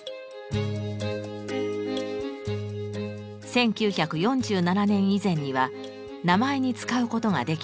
１９４７年以前には名前に使うことができた文字。